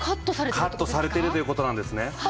カットされてるという事なんですね。